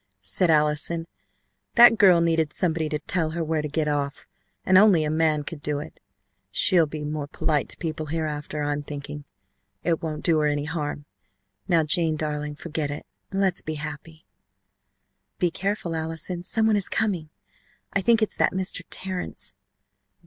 said Allison. "That girl needed somebody to tell her where to get off, and only a man could do it. She'll be more polite to people hereafter, I'm thinking. It won't do her any harm. Now, Jane darling, forget it, and let's be happy!" "Be careful, Allison, some one is coming. I think it's that Mr. Terrence."